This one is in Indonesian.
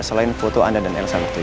selain foto anda dan elsa waktu itu